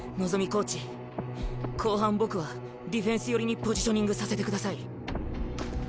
コーチ後半僕はディフェンス寄りにポジショニングさせてください。